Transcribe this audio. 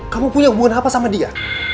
kamu punya hubungan apa sama dia